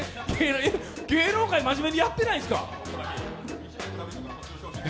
芸能界、真面目にやってないんですか。